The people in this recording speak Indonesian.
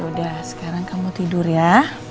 udah sekarang kamu tidur ya